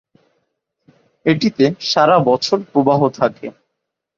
এটিতে সারা বছর প্রবাহ থাকে।